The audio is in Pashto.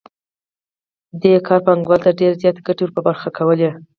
دې کار پانګوال ته ډېرې زیاتې ګټې ور په برخه کولې